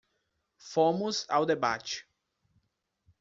Fomos ao debate.